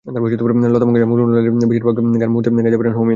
লতা মুঙ্গেশকর এবং রুনা লায়লার বেশির ভাগ গান মুহূর্তেই গাইতে পারেন হৈমন্তী।